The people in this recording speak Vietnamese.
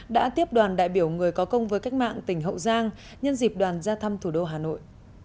đã tiếp đoàn đại biểu người có công với cách mạng tỉnh hậu giang nhân dịp đoàn ra thăm thủ đô hà nội